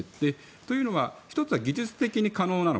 というのは、１つは技術的に可能なのか。